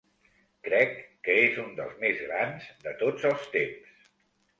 Crec que és un dels més grans de tots els temps.